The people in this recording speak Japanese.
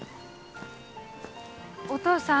お父さん。